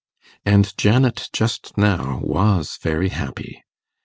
And Janet just now was very happy.